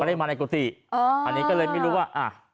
ได้มาในกุฏิอ๋ออันนี้ก็เลยไม่รู้ว่าอ่ะ